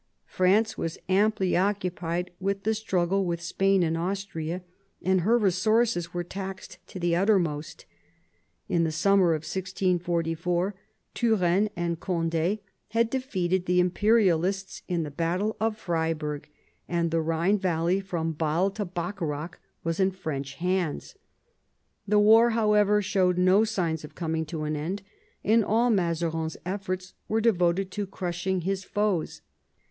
France was amply occupied with the struggle with Spain and Austria, and her resources were taxed to the uttermost. In the summer of 1644 Turenne and Cond^ had defeated the Imperialists in the battle of Freiburg, and the Khine Valley from Basle to Bacharach was in French hands. The war, however, showed no signs of coming to an end, and all Mazarin's efforts were devoted to crushing his foes.